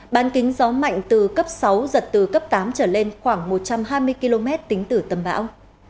ban kính gió mạnh từ cấp sáu giật từ cấp tám trở lên khoảng một trăm hai mươi km tính từ tâm bão